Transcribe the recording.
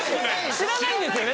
知らないんですよね